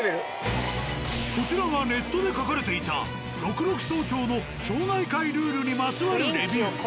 こちらがネットで書かれていた六麓荘町の町内会ルールにまつわるレビュー。